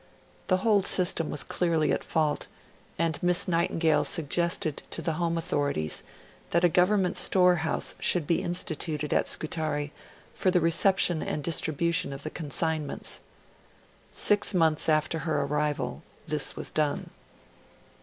The whole system was clearly at fault, and Miss Nightingale suggested to the home authorities that a Government Store House should be instituted at Scutari for the reception and distribution of the consignments. Six months after her arrival this was done.